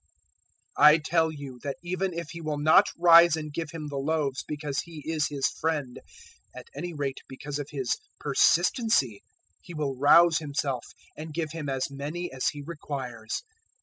011:008 "I tell you that even if he will not rise and give him the loaves because he is his friend, at any rate because of his persistency he will rouse himself and give him as many as he requires.